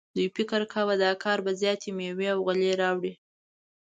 دوی فکر کاوه دا کار به زیاتې میوې او غلې راوړي.